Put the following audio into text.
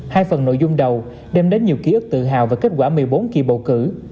hai phần nội dung đầu đem đến nhiều ký ức tự hào về kết quả một mươi bốn kỳ bầu cử